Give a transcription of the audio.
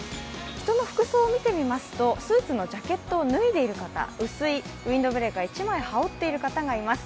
人の服装見てみますとスーツのジャケットを脱いでいる方薄いウインドブレーカー１枚羽織っている方がいます。